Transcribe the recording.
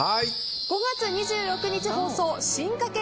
５月２６日放送進化形